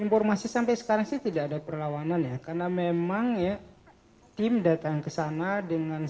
informasi sampai sekarang sih tidak ada perlawanan ya karena memang ya tim datang ke sana dengan